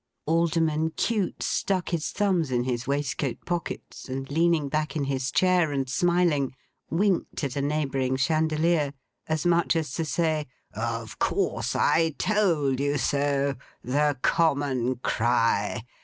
Alderman Cute stuck his thumbs in his waistcoat pockets, and leaning back in his chair, and smiling, winked at a neighbouring chandelier. As much as to say, 'Of course! I told you so. The common cry!